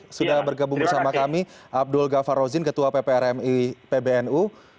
terima kasih telah bergabung bersama kami abdul ghaffar rozin ketua pprmi pbnu